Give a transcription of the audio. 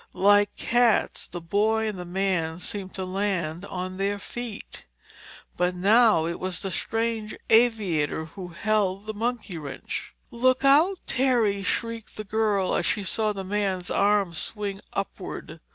Like cats, the boy and the man seemed to land on their feet—but now it was the strange aviator who held the monkey wrench. "Look out, Terry!" shrieked the girl as she saw the man's arm swing upward.